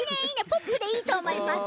ポップでいいとおもいます。